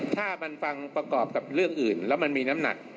ถ้ามันฟังประกอบกับเรื่องอื่นแล้วมันมีน้ำหนัก